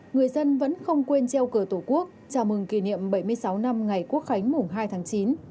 người dân vẫn không quên treo cờ tổ quốc chào mừng kỷ niệm bảy mươi sáu năm ngày quốc khánh mùng hai tháng chín